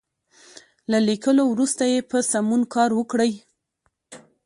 له ليکلو وروسته یې په سمون کار وکړئ.